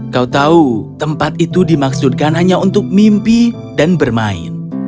kau tahu tempat itu dimaksudkan hanya untuk mimpi dan bermain